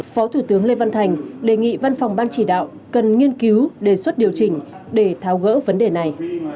phó thủ tướng lê văn thành đề nghị văn phòng ban chỉ đạo cần nghiên cứu đề xuất điều chỉnh để tháo gỡ vấn đề này